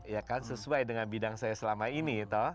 ya kan sesuai dengan bidang saya selama ini